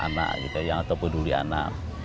anak gitu ya atau peduli anak